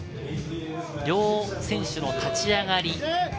両選手の立ち上がり。